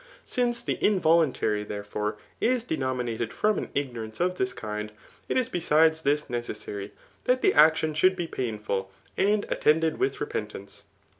Since the invo luntary, therefore, is denominated from an ignorance of this kind, it is besides this necessary that the action should be painful, and attended with repentance.